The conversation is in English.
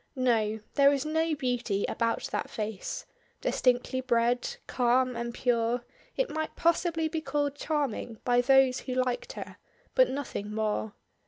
No; there is no beauty about that face; distinctly bred, calm and pure, it might possibly be called charming by those who liked her, but nothing more.